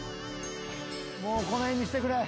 もうこの辺にしてくれ。